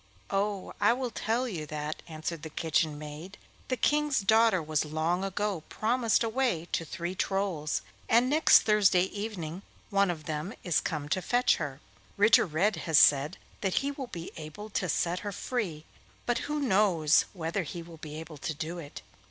'Oh, I will tell you that,' answered the kitchen maid. 'The King's daughter was long ago promised away to three Trolls, and next Thursday evening one of them is to come to fetch her. Ritter Red has said that he will be able to set her free, but who knows whether he will be able to do it?